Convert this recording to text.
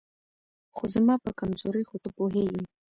خو زما په کمزورۍ خو ته پوهېږې